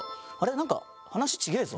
なんか話違えぞ。